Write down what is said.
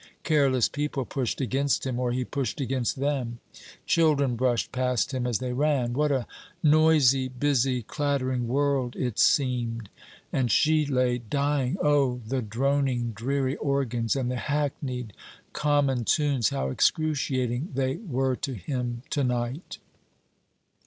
Careless people pushed against him, or he pushed against them; children brushed past him as they ran. What a noisy, busy, clattering world it seemed! And she lay dying! O, the droning, dreary organs, and the hackneyed, common tunes, how excruciating they were to him to night!